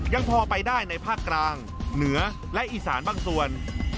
ยังพอไปได้ในภาคกลางเหนือและอีสานบางส่วน